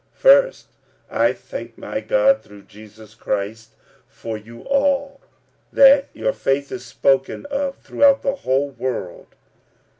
45:001:008 First, I thank my God through Jesus Christ for you all, that your faith is spoken of throughout the whole world.